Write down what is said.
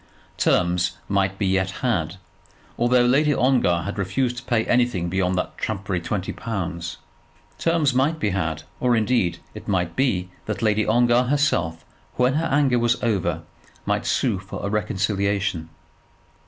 Terms might be yet had, although Lady Ongar had refused to pay anything beyond that trumpery twenty pounds. Terms might be had; or, indeed, it might be that Lady Ongar herself, when her anger was over, might sue for a reconciliation.